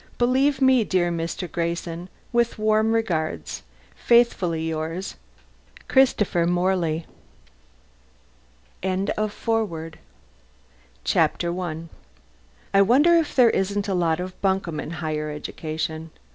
Believe me, dear Mr. Grayson, with warm regards, Faithfully yours, CHRISTOPHER MORLEY. CHAPTER ONE I wonder if there isn't a lot of bunkum in higher education?